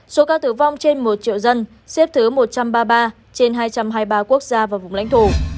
số ca tử vong trên một triệu dân xếp thứ một trăm ba mươi ba trên hai trăm hai mươi ba quốc gia và vùng lãnh thổ